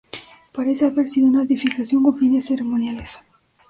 Parece haber sido una edificación con fines ceremoniales.